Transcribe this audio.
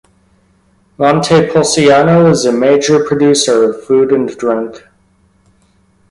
Montepulciano is a major producer of food and drink.